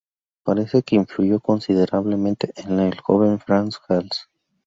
Parece que influyó considerablemente en el joven Frans Hals.